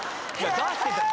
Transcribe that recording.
出してたじゃん。